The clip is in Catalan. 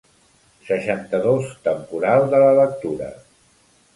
Seixanta-dos temporal de la lectura.